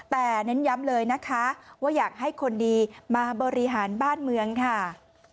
แต่เน้นย้ำเลยนะคะว่าอยากให้คนดีมาบริหารบ้านเมืองค่ะ